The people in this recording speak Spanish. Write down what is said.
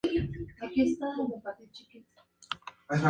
Código Orgánico de la Función Judicial.